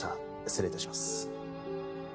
失礼いたします。